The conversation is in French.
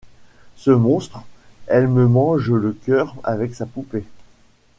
Ce monstre! elle me mange le cœur avec sa poupée !